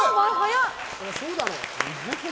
そりゃそうだろ。